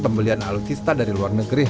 pembelian alutsista dari luar negeri